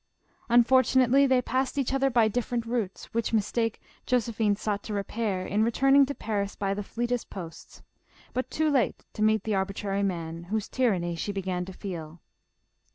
Unfortunately they passed each other by different routes, which mistake Josephine sought to repair in returning to Paris by the fleetest posts, but*too late to meet the arbitrary man, whose tyranny she began to feel.